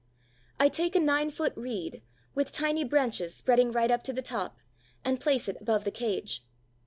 I take a nine foot reed, with tiny branches spreading right up to the top, and place it above the cage.